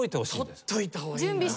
撮っといた方がいいんだ。